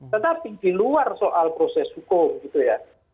tetapi di luar soal proses hukum gitu ya